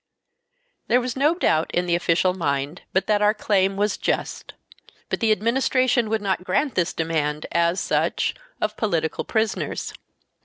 There was no doubt in the official mind but that our claim was just. But the Administration would not grant this demand, as such, of political prisoners.